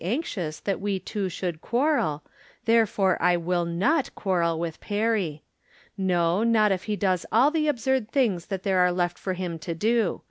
anxious that we two should quarrel, therefore I will not quarrel with Perry. No, not if he does aU the absurd things that there are left for him to do.